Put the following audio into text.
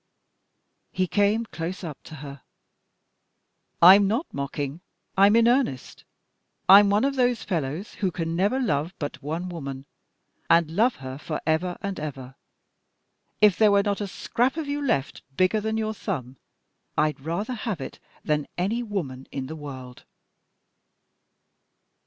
He came close up to her. "I'm not mocking. I'm in earnest. I'm one of those fellows who can never love but one woman, and love her for ever and ever. If there were not a scrap of you left bigger than your thumb, I'd rather have it than any woman in the world."